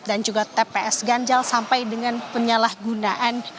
dan juga tps ganjal sampai dengan penyalahgunaan